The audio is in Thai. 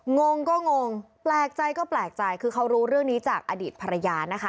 งงก็งงแปลกใจก็แปลกใจคือเขารู้เรื่องนี้จากอดีตภรรยานะคะ